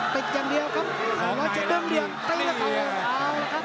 ติดอย่างเดียวครับอ๋อจะเดินเลี่ยงตีนะครับ